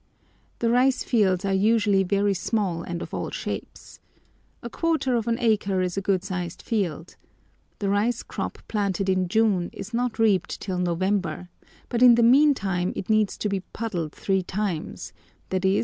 The rice fields are usually very small and of all shapes. A quarter of an acre is a good sized field. The rice crop planted in June is not reaped till November, but in the meantime it needs to be "puddled" three times, i.e.